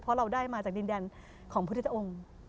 เพราะเราได้มาจากดินแดนของพุทธองค์